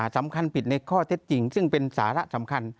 สำคัญผิดในข้อเท็จจริงซึ่งเป็นสาระสำคัญ